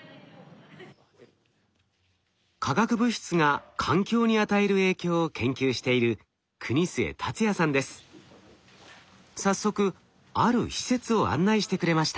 化学物質が環境に与える影響を研究している早速ある施設を案内してくれました。